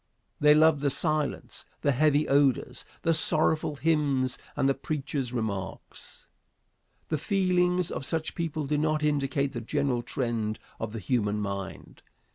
They love the silence, the heavy odors, the sorrowful hymns and the preacher's remarks. The feelings of such people do not indicate the general trend of the human mind.